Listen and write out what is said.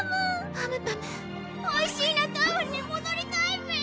パムパムおいしーなタウンにもどりたいメン！